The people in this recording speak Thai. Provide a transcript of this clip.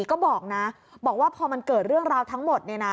ก็บอกว่าพอมันเกิดเรื่องราวทั้งหมด